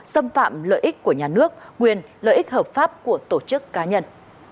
xâm phạm lợi ích của nhà nước quyền lợi ích hợp pháp của tổ chức cá nhân